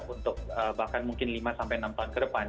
untuk bahkan mungkin lima sampai enam tahun ke depan